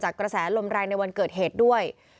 กระแสลมแรงในวันเกิดเหตุด้วย